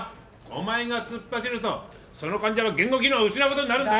お前が突っ走るとその患者は言語機能を失う事になるんだよ！